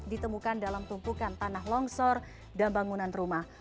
ditemukan dalam tumpukan tanah longsor dan bangunan rumah